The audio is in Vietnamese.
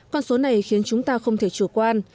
con số này khiến chúng ta không thể chủ quan